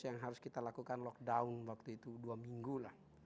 yang harus kita lakukan lockdown waktu itu dua minggu lah